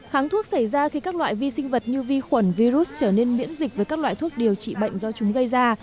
kháng thuốc xảy ra khi các loại vi sinh vật như vi khuẩn virus trở nên miễn dịch với các loại thuốc điều trị bệnh do chúng gây ra